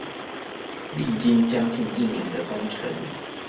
歷經將近一年的工程